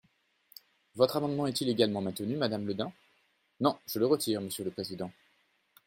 Votre amendement est-il également maintenu, madame Le Dain ? Non, je le retire, monsieur le président.